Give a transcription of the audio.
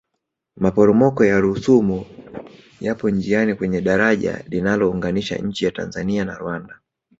maporomoko ya rusumo yapo njiani kwenye dajara linalounganisha nchi ya tanzania na rwanda